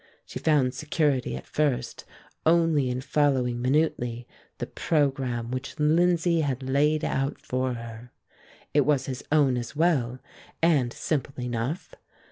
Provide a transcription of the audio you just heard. She found security at first only in following minutely the programme which Lindsay had laid out for her. It was his own as well, and simple enough.